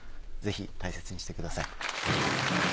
ぜひ大切にしてください。